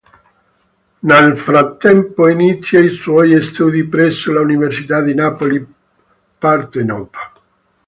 Nel frattempo inizia i suoi studi presso l'università di Napoli Parthenope.